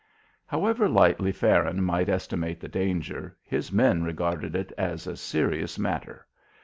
However lightly Farron might estimate the danger, his men regarded it as a serious matter.